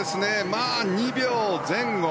２秒前後